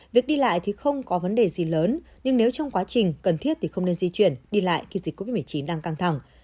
việc đi lại thì không có vấn đề gì lớn nhưng nếu trong quá trình cần thiết thì không nên di chuyển đi lại khi dịch covid một mươi chín đang căng thẳng